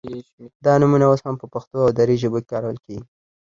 دا نومونه اوس هم په پښتو او دري ژبو کې کارول کیږي